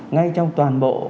ngay trong toàn bộ